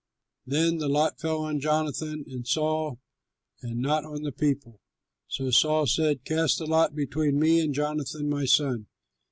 Then the lot fell on Jonathan and Saul and not on the people. So Saul said, "Cast the lot between me and Jonathan my son.